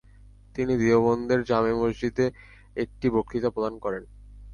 তিনি দেওবন্দের জামে মসজিদে একটি বক্তৃতা প্রদান করেন।